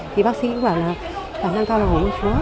thì bác sĩ cũng bảo là khả năng cao là hổ mang chúa